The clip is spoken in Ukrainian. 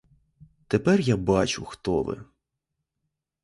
Тепер я бачу, хто ви.